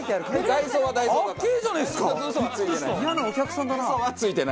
イヤなお客さんだな。